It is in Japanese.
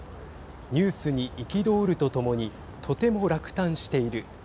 ニュースに憤るとともにとても落胆している。